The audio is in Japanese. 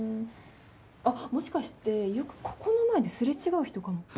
あっもしかしてよくここの前で擦れ違う人かも。